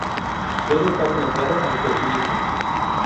Puede estar conectado al pesimismo.